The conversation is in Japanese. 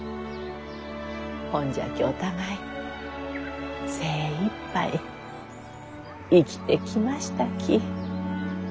ほんじゃきお互い精いっぱい生きてきましたき。